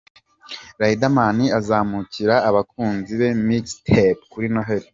Riderman azamurikira abakunzi be Mixtape kuri Noheli.